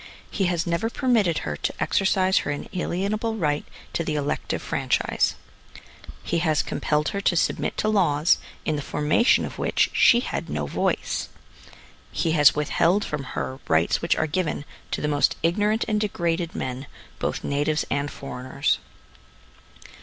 He has never permitted her to exercise her inalienable right to the elective franchise. He has compelled her to submit to laws, in the formation of which she had no voice. He has withheld from her rights which are given to the most ignorant and degraded men ŌĆö both natives and foreigners.